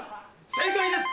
正解です！